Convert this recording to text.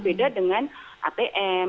beda dengan atm